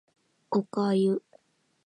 お粥